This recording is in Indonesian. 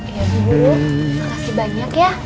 iya bu guru terima kasih banyak ya